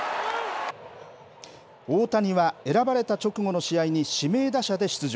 大谷は、選ばれた直後の試合に指名打者で出場。